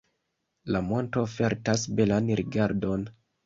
La monto ofertas belan rigardon.